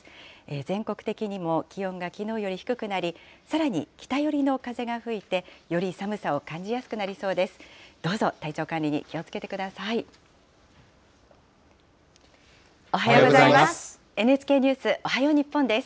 全国的にも気温がきのうより低くなり、さらに北寄りの風が吹いて、より寒さを感じやすくなりそうです。